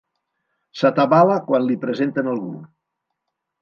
S'atabala quan li presenten algú.